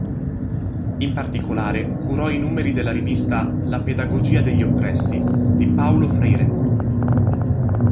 In particolare curò i numeri della rivista "La pedagogia degli oppressi" di Paulo Freire.